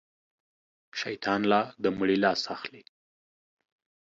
شيطان لا د مړي لاس اخلي.